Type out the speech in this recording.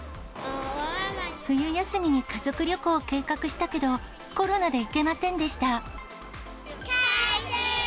冬休みに家族旅行を計画したけど、コロナで行けませんでした。